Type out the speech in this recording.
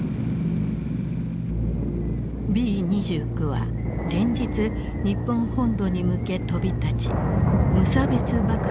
Ｂ２９は連日日本本土に向け飛び立ち無差別爆撃を続けた。